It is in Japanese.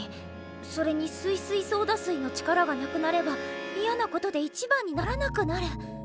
それにすいすいソーダ水の力がなくなればイヤなことで一番にならなくなる。